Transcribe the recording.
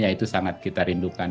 yaitu sangat kita rindukan